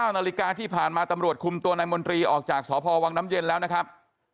นาฬิกาที่ผ่านมาตำรวจคุมตัวนายมนตรีออกจากสพวังน้ำเย็นแล้วนะครับ